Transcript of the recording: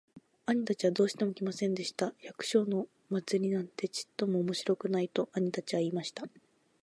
兄たちはどうしても来ませんでした。「百姓のお祭なんてちっとも面白くない。」と兄たちは言いました。